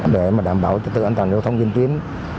để đảm bảo trật tựa an toàn giao thông diễn tuyến